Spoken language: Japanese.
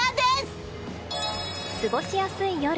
過ごしやすい夜。